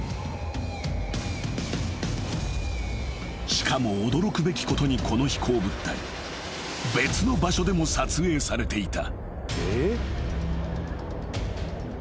［しかも驚くべきことにこの飛行物体別の場所でも撮影されていた］